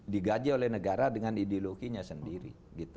digaji oleh negara dengan ideologinya sendiri